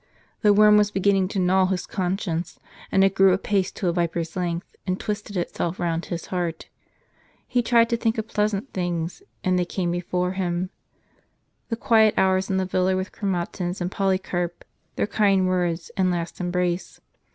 The worm was beginning to gnaw his conscience, and it grew apace to a viper's length, and twisted itself round his heart. He tried to think of pleasant things, and they came before him ; the quiet hours in the villa with Chromatins and Poly carp, their kind words, and last embrace.